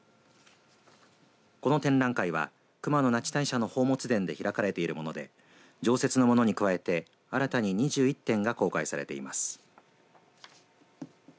この展覧会は熊野那智大社の宝物殿で開かれているもので常設のものに加えて新たに２１点が公開されています。